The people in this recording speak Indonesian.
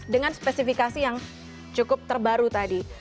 dengan spesifikasi yang cukup terbaru tadi